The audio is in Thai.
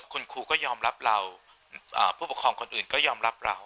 คุณครูก็ยอมรับเราผู้ปกครองคนอื่นก็ยอมรับเรา